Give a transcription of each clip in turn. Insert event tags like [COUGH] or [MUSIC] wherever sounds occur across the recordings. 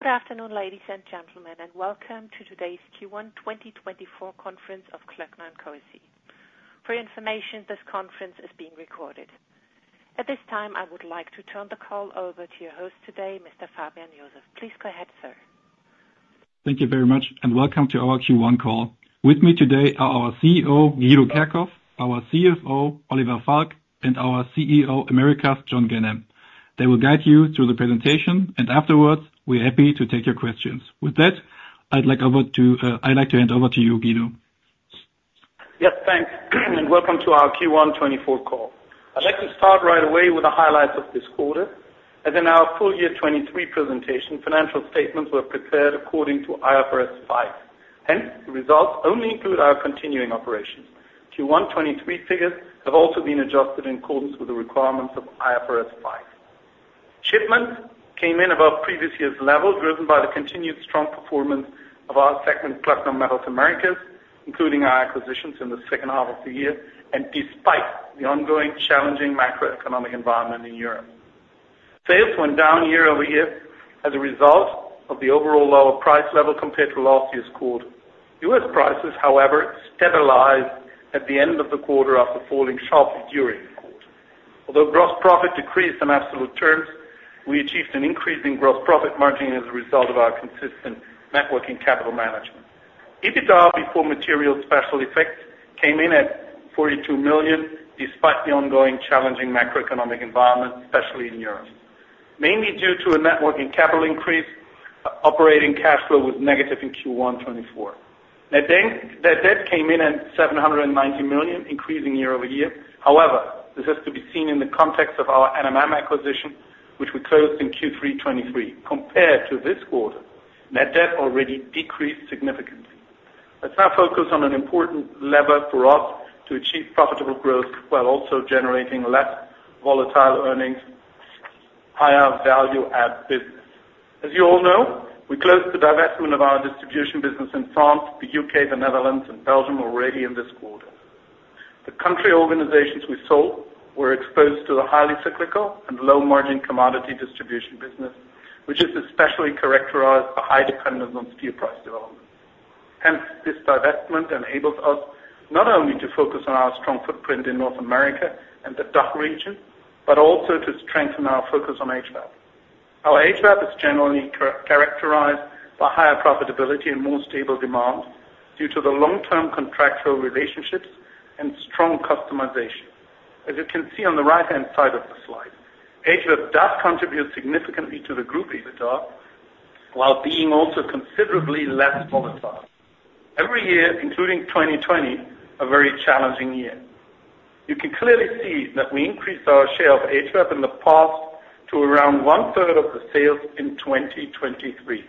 Good afternoon, ladies and gentlemen, and welcome to today's Q1 2024 conference of Klöckner & Co SE. For your information, this conference is being recorded. At this time, I would like to turn the call over to your host today, Mr. Fabian Joseph. Please go ahead, sir. Thank you very much, and welcome to our Q1 call. With me today are our CEO, Guido Kerkhoff; our CFO, Oliver Falk; and our CEO, Americas, John Ganem. They will guide you through the presentation, and afterwards, we're happy to take your questions. With that, I'd like to hand over to you, Guido. Yes, thanks, and welcome to our Q1 2024 call. I'd like to start right away with the highlights of this quarter. As in our full year 2023 presentation, financial statements were prepared according to IFRS 5. Hence, the results only include our continuing operations. Q1 2023 figures have also been adjusted in accordance with the requirements of IFRS 5. Shipments came in above previous year's level, driven by the continued strong performance of our segment, Kloeckner Metals Americas, including our acquisitions in the second half of the year, and despite the ongoing challenging macroeconomic environment in Europe. Sales went down year-over-year as a result of the overall lower price level compared to last year's quarter. U.S. prices, however, stabilized at the end of the quarter after falling sharply during. Although gross profit decreased in absolute terms, we achieved an increase in gross profit margin as a result of our consistent net working capital management. EBITDA before material special effects came in at 42 million despite the ongoing challenging macroeconomic environment, especially in Europe. Mainly due to a net working capital increase, operating cash flow was negative in Q1 2024. Net debt came in at 790 million, increasing year-over-year. However, this has to be seen in the context of our NMM acquisition, which we closed in Q3 2023. Compared to this quarter, net debt already decreased significantly. Let's now focus on an important lever for us to achieve profitable growth while also generating less volatile earnings, higher value-add business. As you all know, we closed the divestment of our distribution business in France, the U.K., the Netherlands, and Belgium already in this quarter. The country organizations we sold were exposed to the highly cyclical and low-margin commodity distribution business, which is especially characterized by high dependence on steel price development. Hence, this divestment enables us not only to focus on our strong footprint in North America and the DACH region, but also to strengthen our focus on HVAC. Our HVAC is generally characterized by higher profitability and more stable demand due to the long-term contractual relationships and strong customization. As you can see on the right-hand side of the slide, HVAC does contribute significantly to the group EBITDA while being also considerably less volatile. Every year, including 2020, a very challenging year. You can clearly see that we increased our share of HVAC in the past to around 1/3 of the sales in 2023.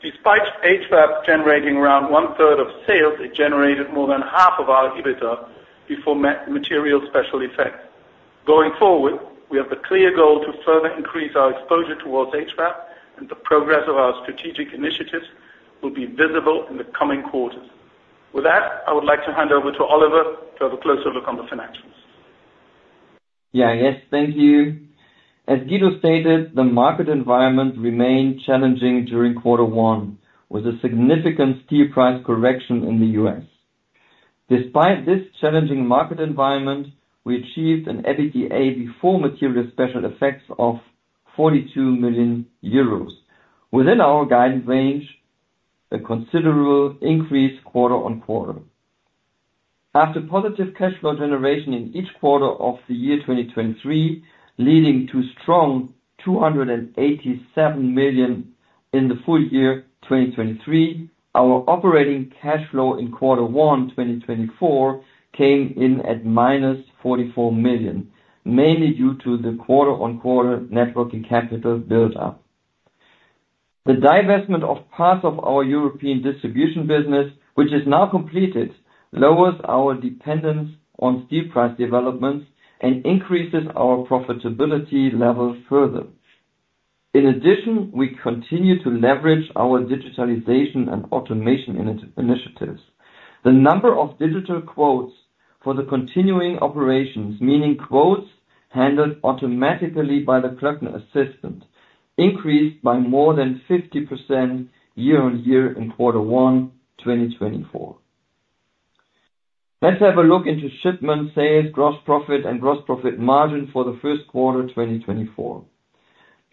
Despite HVAC generating around 1/3 of sales, it generated more than half of our EBITDA before material special effects. Going forward, we have the clear goal to further increase our exposure towards HVAC, and the progress of our strategic initiatives will be visible in the coming quarters. With that, I would like to hand over to Oliver to have a closer look on the financials. Yeah, yes, thank you. As Guido stated, the market environment remained challenging during quarter one, with a significant steel price correction in the US. Despite this challenging market environment, we achieved an EBITDA before material special effects of 42 million euros, within our guidance range, a considerable increase quarter-on-quarter. After positive cash flow generation in each quarter of the year 2023, leading to strong 287 million in the full year 2023, our operating cash flow in quarter one 2024 came in at -44 million, mainly due to the quarter-on-quarter net working capital buildup. The divestment of parts of our European distribution business, which is now completed, lowers our dependence on steel price developments and increases our profitability level further. In addition, we continue to leverage our digitalization and automation initiatives. The number of digital quotes for the continuing operations, meaning quotes handled automatically by the Klöckner Assistant, increased by more than 50% year-on-year in quarter one 2024. Let's have a look into shipments, sales, gross profit, and gross profit margin for the first quarter 2024.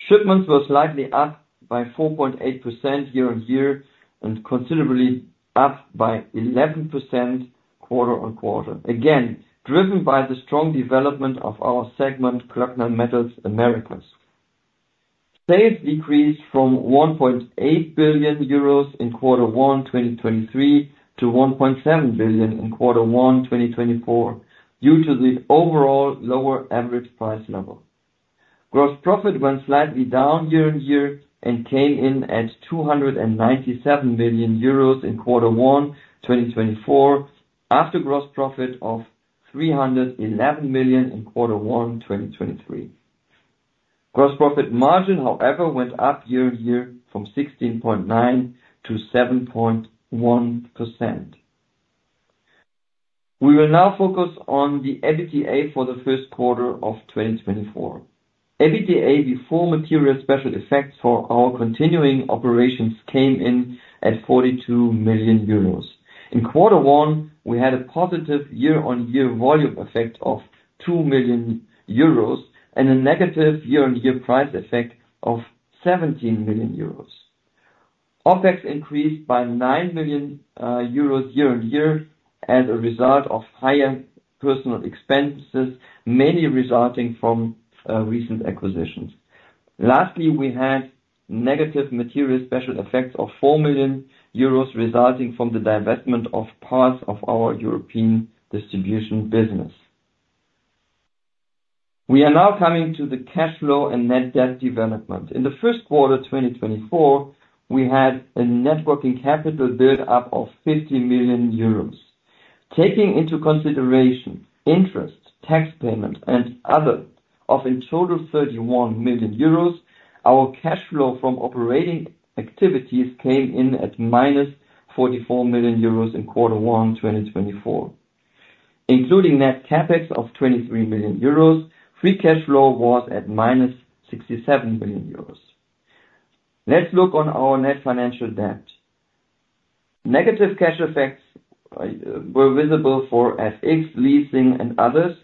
Shipments were slightly up by 4.8% year-on-year and considerably up by 11% quarter-on-quarter, again driven by the strong development of our segment, Kloeckner Metals Americas. Sales decreased from 1.8 billion euros in quarter one 2023 to 1.7 billion in quarter one 2024 due to the overall lower average price level. Gross profit went slightly down year-on-year and came in at 297 million euros in quarter one 2024, after gross profit of 311 million in quarter one 2023. Gross profit margin, however, went up year-on-year from 16.9% to 7.1%. We will now focus on the EBITDA for the first quarter of 2024. EBITDA before material special effects for our continuing operations came in at 42 million euros. In quarter one, we had a positive year-on-year volume effect of 2 million euros and a negative year-on-year price effect of 17 million euros. OpEx increased by 9 million euros year-on-year as a result of higher personnel expenses, mainly resulting from recent acquisitions. Lastly, we had negative material special effects of 4 million euros resulting from the divestment of parts of our European distribution business. We are now coming to the cash flow and net debt development. In the first quarter 2024, we had a net working capital buildup of 50 million euros. Taking into consideration interest, tax payment, and others, of in total 31 million euros, our cash flow from operating activities came in at -44 million euros in quarter 1 2024. Including net Capex of 23 million euros, free cash flow was at -67 million euros. Let's look on our net financial debt. Negative cash effects were visible for FX, leasing, and others.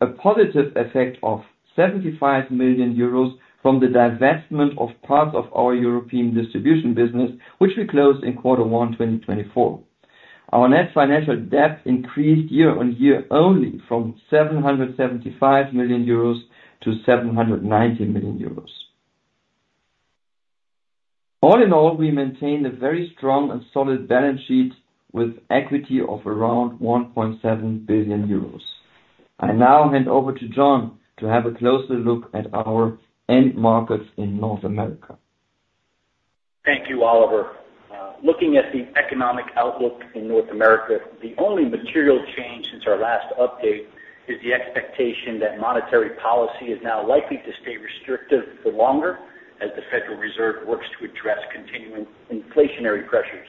A positive effect of 75 million euros from the divestment of parts of our European distribution business, which we closed in quarter 1 2024. Our net financial debt increased year-on-year only from 775 million euros to 790 million euros. All in all, we maintained a very strong and solid balance sheet with equity of around 1.7 billion euros. I now hand over to John to have a closer look at our end markets in North America. Thank you, Oliver. Looking at the economic outlook in North America, the only material change since our last update is the expectation that monetary policy is now likely to stay restrictive for longer as the Federal Reserve works to address continuing inflationary pressures.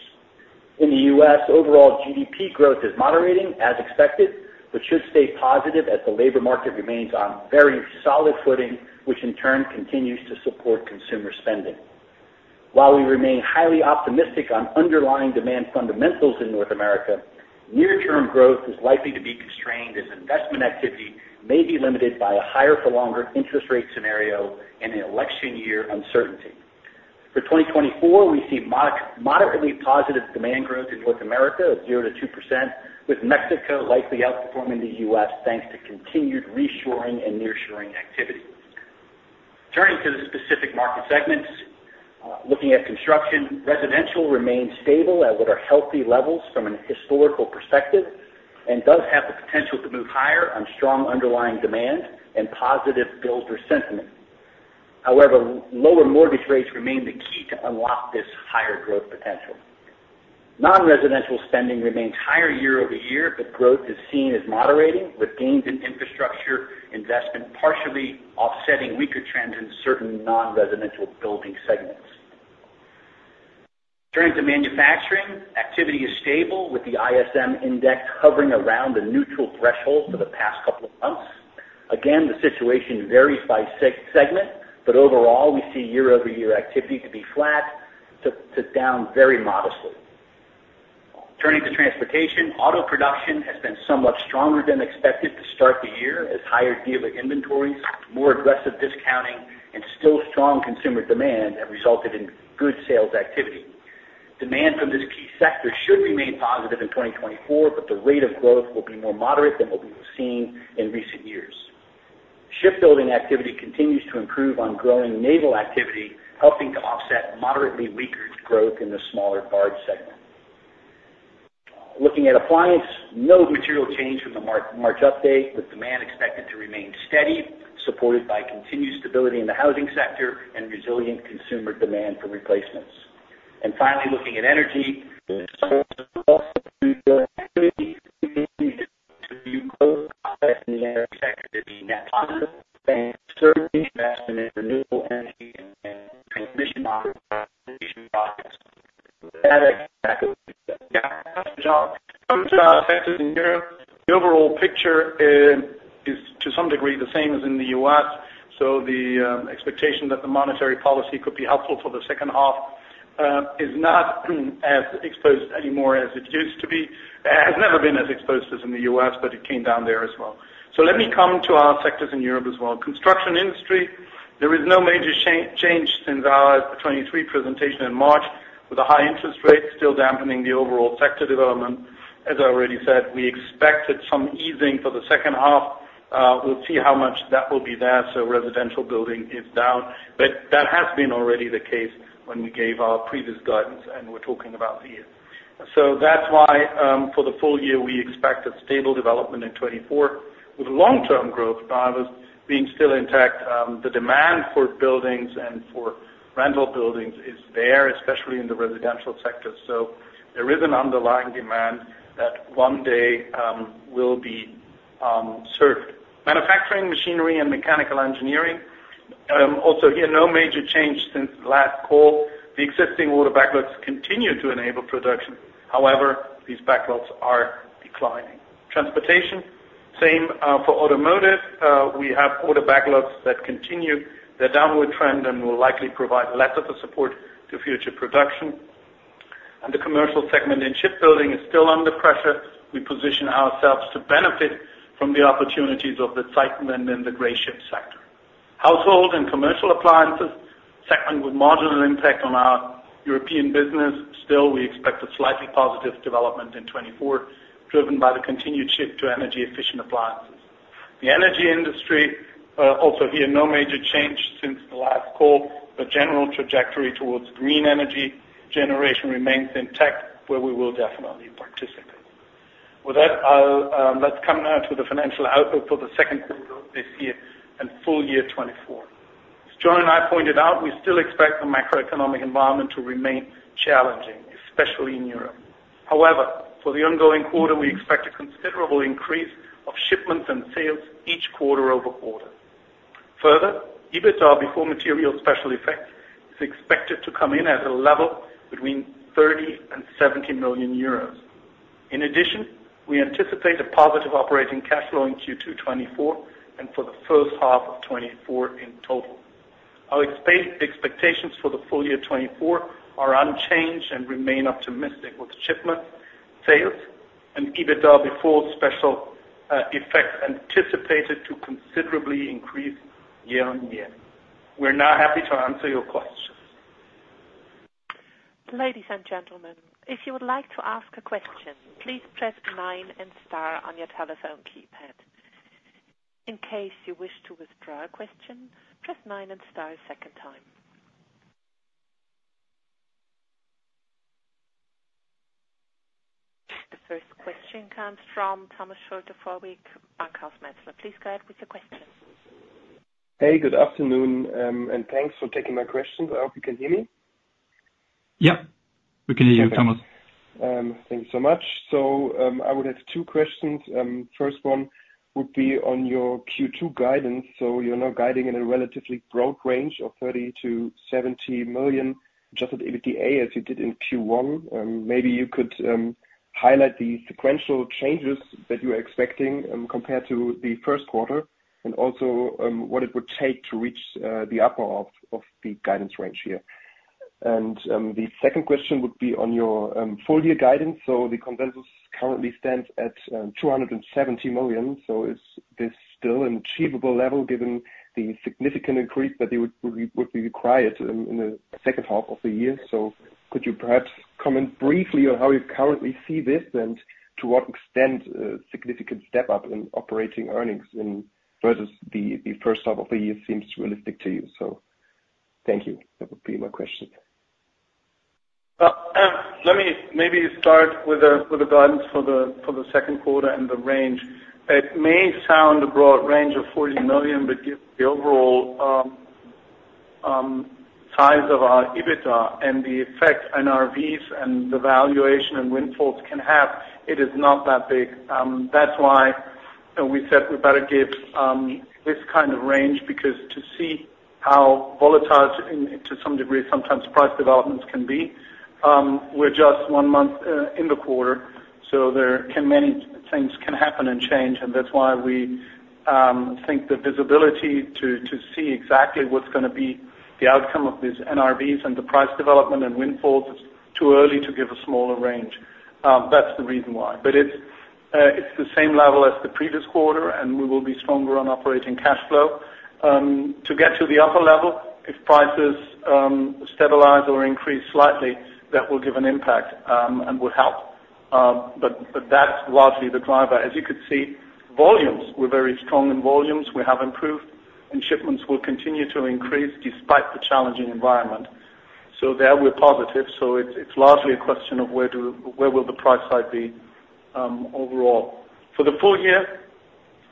In the U.S., overall GDP growth is moderating, as expected, but should stay positive as the labor market remains on very solid footing, which in turn continues to support consumer spending. While we remain highly optimistic on underlying demand fundamentals in North America, near-term growth is likely to be constrained as investment activity may be limited by a higher-for-longer interest rate scenario and election year uncertainty. For 2024, we see moderately positive demand growth in North America of 0%-2%, with Mexico likely outperforming the U.S. thanks to continued reshoring and near-shoring activity. Turning to the specific market segments, looking at construction, residential remains stable at what are healthy levels from a historical perspective and does have the potential to move higher on strong underlying demand and positive builder sentiment. However, lower mortgage rates remain the key to unlock this higher growth potential. Non-residential spending remains higher year-over-year, but growth is seen as moderating, with gains in infrastructure investment partially offsetting weaker trends in certain non-residential building segments. Turning to manufacturing, activity is stable, with the ISM index hovering around the neutral threshold for the past couple of months. Again, the situation varies by segment, but overall, we see year-over-year activity to be flat to down very modestly. Turning to transportation, auto production has been somewhat stronger than expected to start the year as higher dealer inventories, more aggressive discounting, and still strong consumer demand have resulted in good sales activity. Demand from this key sector should remain positive in 2024, but the rate of growth will be more moderate than what we've seen in recent years. Shipbuilding activity continues to improve on growing naval activity, helping to offset moderately weaker growth in the smaller barge segment. Looking at appliance, no material change from the March update, with demand expected to remain steady, supported by continued stability in the housing sector and resilient consumer demand for replacements. And finally, looking at energy, [AUDIO DISTORTION] growth in the energy sector to be net positive, and certainly investment in renewable energy and transmission modification projects. [AUDIO DISTORTION] The overall picture is to some degree the same as in the U.S., so the expectation that the monetary policy could be helpful for the second half is not as exposed anymore as it used to be. It has never been as exposed as in the U.S., but it came down there as well. So let me come to our sectors in Europe as well. Construction industry, there is no major change since our 2023 presentation in March, with a high interest rate still dampening the overall sector development. As I already said, we expected some easing for the second half. We'll see how much that will be there, so residential building is down. But that has been already the case when we gave our previous guidance, and we're talking about the year. So that's why, for the full year, we expect a stable development in 2024, with long-term growth drivers being still intact. The demand for buildings and for rental buildings is there, especially in the residential sector. So there is an underlying demand that one day will be served. Manufacturing, machinery, and mechanical engineering, also here, no major change since the last call. The existing order backlogs continue to enable production. However, these backlogs are declining. Transportation, same for automotive. We have order backlogs that continue. Their downward trend will likely provide less of a support to future production. And the commercial segment in shipbuilding is still under pressure. We position ourselves to benefit from the opportunities of the site and then the gray ship sector. Household and commercial appliances, segment with marginal impact on our European business, still, we expect a slightly positive development in 2024, driven by the continued shift to energy-efficient appliances. The energy industry, also here, no major change since the last call, but general trajectory towards green energy generation remains intact, where we will definitely participate. With that, let's come now to the financial outlook for the second quarter of this year and full year 2024. As John and I pointed out, we still expect the macroeconomic environment to remain challenging, especially in Europe. However, for the ongoing quarter, we expect a considerable increase of shipments and sales quarter-over-quarter. Further, EBITDA before material special effects is expected to come in at a level between 30 million and 70 million euros. In addition, we anticipate a positive operating cash flow in Q2 2024 and for the first half of 2024 in total. Our expectations for the full year 2024 are unchanged and remain optimistic, with shipments, sales, and EBITDA before special effects anticipated to considerably increase year-on-year. We're now happy to answer your questions. Ladies and gentlemen, if you would like to ask a question, please press nine and star on your telephone keypad. In case you wish to withdraw a question, press nine and star a second time. The first question comes from Thomas Schulte-Vorwick, Bankhaus Metzler. Please go ahead with your question. Hey, good afternoon, and thanks for taking my questions. I hope you can hear me? Yep, we can hear you, Thomas. Okay. Thanks so much. I would have two questions. First one would be on your Q2 guidance. You're now guiding in a relatively broad range of 30 million-70 million adjusted EBITDA as you did in Q1. Maybe you could highlight the sequential changes that you're expecting compared to the first quarter and also what it would take to reach the upper half of the guidance range here. The second question would be on your full year guidance. The consensus currently stands at 270 million. Is this still an achievable level given the significant increase that you would require in the second half of the year? Could you perhaps comment briefly on how you currently see this and to what extent a significant step up in operating earnings versus the first half of the year seems realistic to you? Thank you. That would be my question. Let me maybe start with the guidance for the second quarter and the range. It may sound a broad range of 40 million, but the overall size of our EBITDA and the effect NRVs and the valuation and windfalls can have, it is not that big. That's why we said we better give this kind of range because to see how volatile to some degree sometimes price developments can be, we're just one month in the quarter. So many things can happen and change, and that's why we think the visibility to see exactly what's going to be the outcome of these NRVs and the price development and windfalls, it's too early to give a smaller range. That's the reason why. But it's the same level as the previous quarter, and we will be stronger on operating cash flow. To get to the upper level, if prices stabilize or increase slightly, that will give an impact and will help. But that's largely the driver. As you could see, volumes, we're very strong in volumes. We have improved, and shipments will continue to increase despite the challenging environment. So there, we're positive. So it's largely a question of where will the price side be overall. For the full year,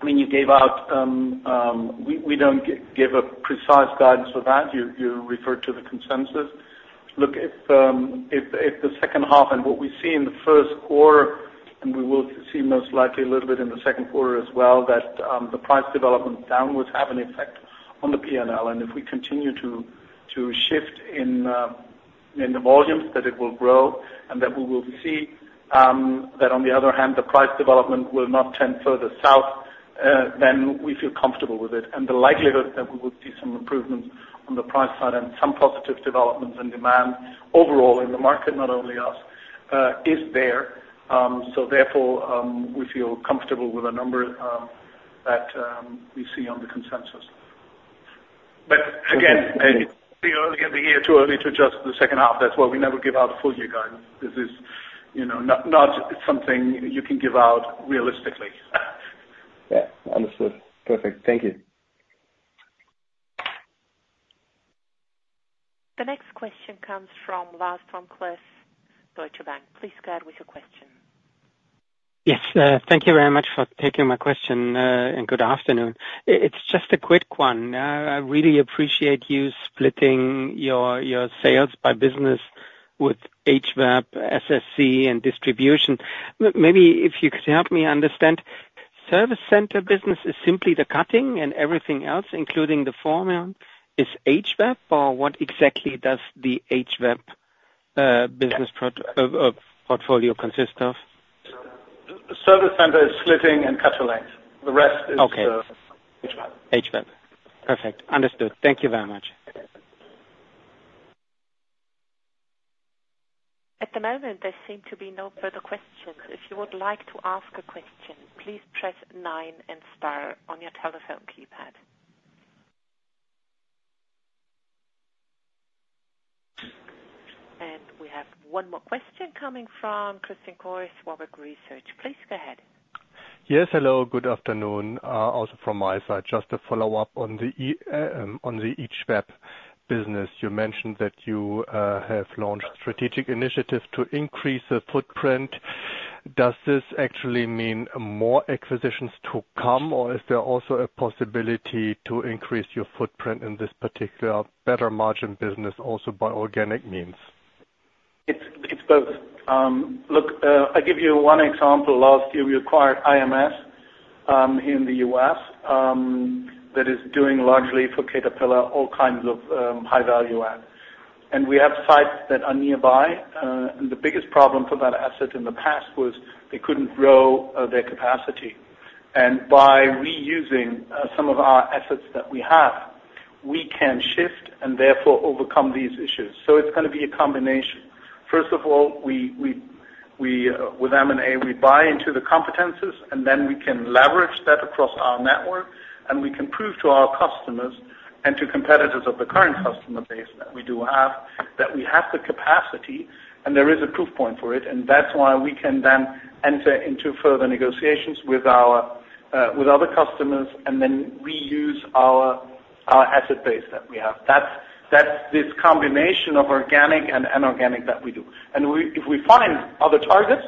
I mean, you gave out, we don't give a precise guidance for that. You referred to the consensus. Look, if the second half and what we see in the first quarter, and we will see most likely a little bit in the second quarter as well, that the price development downwards have an effect on the P&L. And if we continue to shift in the volumes, that it will grow and that we will see that, on the other hand, the price development will not tend further south, then we feel comfortable with it. And the likelihood that we will see some improvements on the price side and some positive developments in demand overall in the market, not only us, is there. So therefore, we feel comfortable with a number that we see on the consensus. But again, it's too early in the year, too early to adjust the second half. That's why we never give out a full year guidance. This is not something you can give out realistically. Yeah, understood. Perfect. Thank you. The next question comes from Lars Vom Cleff, Deutsche Bank. Please go ahead with your question. Yes. Thank you very much for taking my question, and good afternoon. It's just a quick one. I really appreciate you splitting your sales by business with HVAC, SSC, and distribution. Maybe if you could help me understand, service center business is simply the cutting, and everything else, including the formula, is HVAC, or what exactly does the HVAC business portfolio consist of? Service center is splitting and cutting length. The rest is HVAC. Okay. HVAC. Perfect. Understood. Thank you very much. At the moment, there seem to be no further questions. If you would like to ask a question, please press nine and star on your telephone keypad. We have one more question coming from Christian Cohrs, Warburg Research. Please go ahead. Yes. Hello. Good afternoon. Also from my side, just a follow-up on the HVAC business. You mentioned that you have launched a strategic initiative to increase the footprint. Does this actually mean more acquisitions to come, or is there also a possibility to increase your footprint in this particular better margin business also by organic means? It's both. Look, I'll give you one example. Last year, we acquired IMS here in the U.S. that is doing largely for Caterpillar all kinds of high-value adds. We have sites that are nearby. The biggest problem for that asset in the past was they couldn't grow their capacity. By reusing some of our assets that we have, we can shift and therefore overcome these issues. So it's going to be a combination. First of all, with M&A, we buy into the competencies, and then we can leverage that across our network, and we can prove to our customers and to competitors of the current customer base that we do have that we have the capacity, and there is a proof point for it. That's why we can then enter into further negotiations with other customers and then reuse our asset base that we have. That's this combination of organic and inorganic that we do. If we find other targets,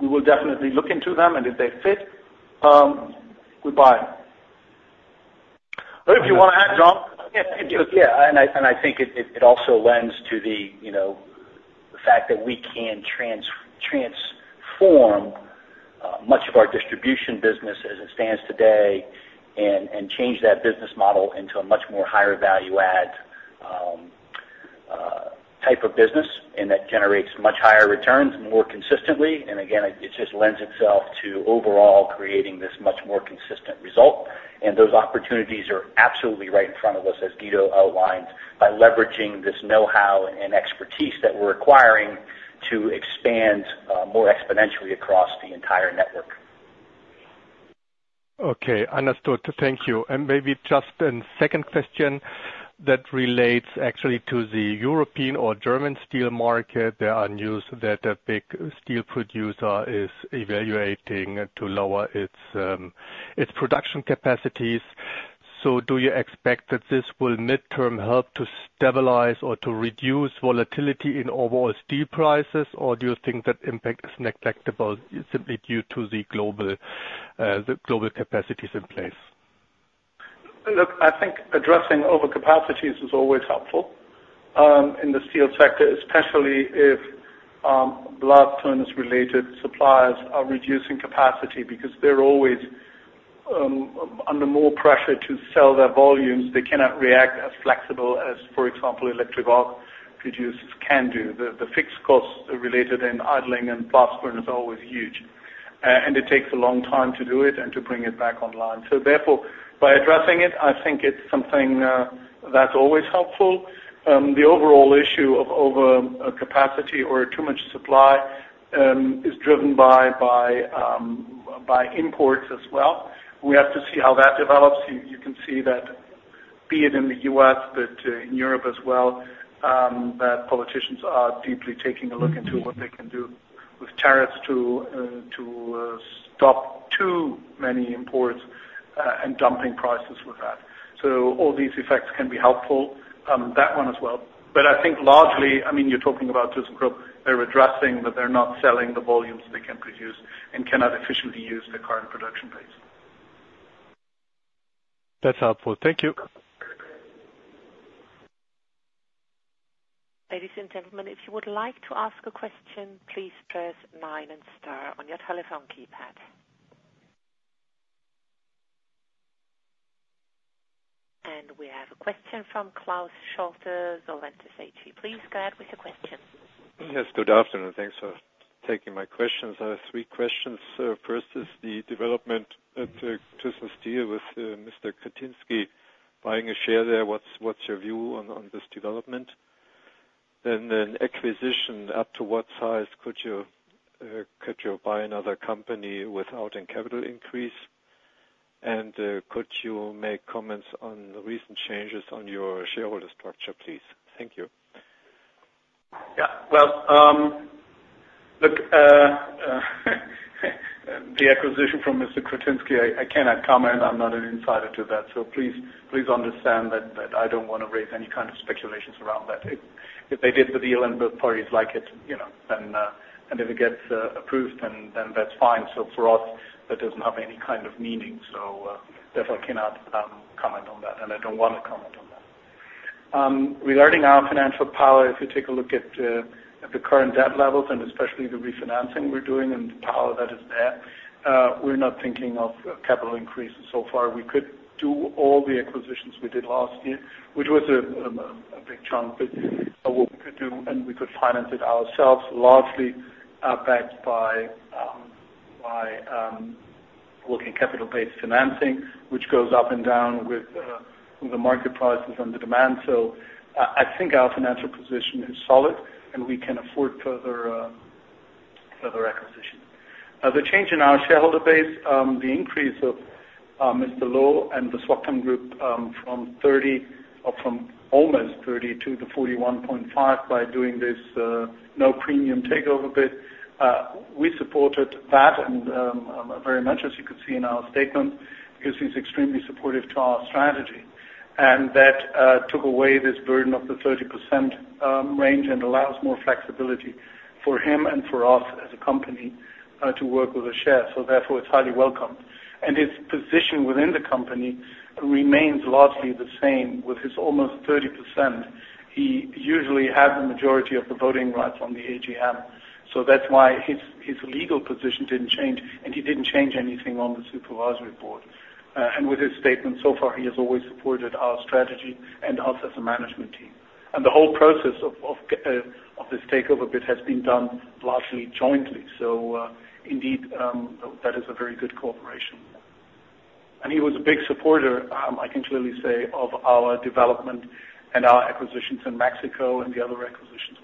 we will definitely look into them, and if they fit, we buy them. If you want to add, John. Yeah. And I think it also lends to the fact that we can transform much of our distribution business as it stands today and change that business model into a much more higher-value add type of business in that generates much higher returns more consistently. And again, it just lends itself to overall creating this much more consistent result. And those opportunities are absolutely right in front of us, as Guido outlined, by leveraging this know-how and expertise that we're acquiring to expand more exponentially across the entire network. Okay. Understood. Thank you. Maybe just a second question that relates actually to the European or German steel market. There are news that a big steel producer is evaluating to lower its production capacities. So do you expect that this will mid-term help to stabilize or to reduce volatility in overall steel prices, or do you think that impact is negligible simply due to the global capacities in place? Look, I think addressing overcapacities is always helpful in the steel sector, especially if blast-furnace-related suppliers are reducing capacity because they're always under more pressure to sell their volumes. They cannot react as flexible as, for example, electric arc producers can do. The fixed costs incurred in idling and blast-furnace are always huge, and it takes a long time to do it and to bring it back online. So therefore, by addressing it, I think it's something that's always helpful. The overall issue of overcapacity or too much supply is driven by imports as well. We have to see how that develops. You can see that, be it in the U.S. but in Europe as well, that politicians are deeply taking a look into what they can do with tariffs to stop too many imports and dumping prices with that. So all these effects can be helpful, that one as well. But I think largely, I mean, you're talking about ThyssenKrupp. They're addressing that they're not selling the volumes they can produce and cannot efficiently use their current production base. That's helpful. Thank you. Ladies and gentlemen, if you would like to ask a question, please press 9 and star on your telephone keypad. We have a question from Klaus Schlote, Solventis AG. Please go ahead with your question. Yes. Good afternoon. Thanks for taking my questions. I have three questions. First is the development at Thyssen Steel with Mr. Kretinsky buying a share there. What's your view on this development? Then an acquisition, up to what size could you buy another company without a capital increase? And could you make comments on the recent changes on your shareholder structure, please? Thank you. Yeah. Well, look, the acquisition from Mr. Kretinsky, I cannot comment. I'm not an insider to that. So please understand that I don't want to raise any kind of speculations around that. If they did the deal and both parties like it, then and if it gets approved, then that's fine. So for us, that doesn't have any kind of meaning. So therefore, I cannot comment on that, and I don't want to comment on that. Regarding our financial power, if you take a look at the current debt levels and especially the refinancing we're doing and the power that is there, we're not thinking of capital increases so far. We could do all the acquisitions we did last year, which was a big chunk, but what we could do and we could finance it ourselves, largely backed by working capital-based financing, which goes up and down with the market prices and the demand. So I think our financial position is solid, and we can afford further acquisitions. The change in our shareholder base, the increase of Mr. Loh and the SWOCTEM Group from almost 30 to 41.5 by doing this no premium takeover bid, we supported that very much, as you could see in our statements, because he's extremely supportive to our strategy. That took away this burden of the 30% range and allows more flexibility for him and for us as a company to work with a share. Therefore, it's highly welcomed. His position within the company remains largely the same with his almost 30%. He usually has the majority of the voting rights on the AGM. That's why his legal position didn't change, and he didn't change anything on the supervisory board. With his statements, so far, he has always supported our strategy and us as a management team. The whole process of this takeover bid has been done largely jointly. Indeed, that is a very good cooperation. He was a big supporter, I can clearly say, of our development and our acquisitions in Mexico and the other acquisitions we did.